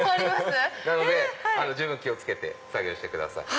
なので十分気を付けて作業してください。